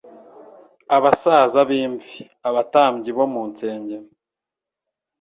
Abasaza b'imvi, abatambyi bo mu msengero